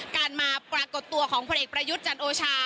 การมาปรากฏตัวของพระเอกประยุจจันทร์โอชา